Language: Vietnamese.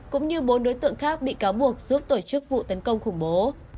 cũng như bốn đối tượng khác bị cáo buộc giúp tổ chức vụ tấn công khủng bố